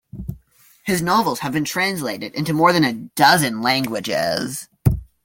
His novels have been translated into more than a dozen languages.